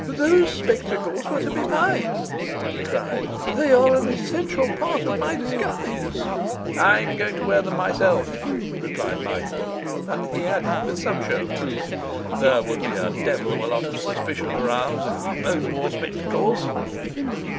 'Those spectacles were to be mine,' he cried. 'They are an essential part of my disguise.' 'I am going to wear them myself,' replied Michael; and he added, with some show of truth, 'There would be a devil of a lot of suspicion aroused if we both wore spectacles.